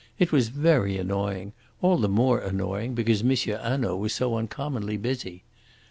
It was very annoying, all the more annoying because M. Hanaud was so uncommonly busy.